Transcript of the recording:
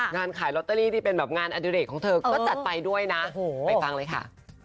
งานขายลอตเตอรี่ที่เป็นแบบงานอดิเรกของเธอก็จัดไปด้วยนะไปฟังเลยค่ะ